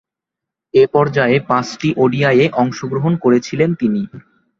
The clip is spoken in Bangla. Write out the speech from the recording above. এ পর্যায়ে পাঁচটি ওডিআইয়ে অংশগ্রহণ করেছিলেন তিনি।